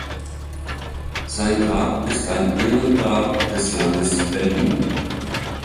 Sein Grab ist ein Ehrengrab des Landes Berlin.